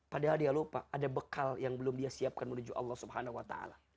padahal dia lupa ada bekal yang belum dia siapkan menuju allah swt